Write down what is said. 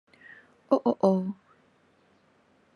喔喔喔